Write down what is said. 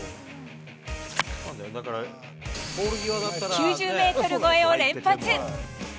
９０メートル超えを連発。